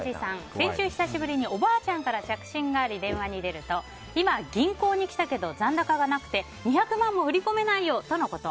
先週久しぶりにおばあちゃんから着信があり電話に出ると今、銀行に来たけど残高がなくて２００万も振り込めないよとのこと。